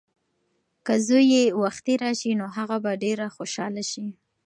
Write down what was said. که زوی یې وختي راشي نو هغه به ډېره خوشحاله شي.